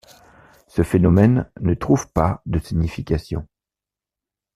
Ce phénomène ne trouve pas de signification.